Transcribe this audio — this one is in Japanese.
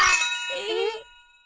えっ？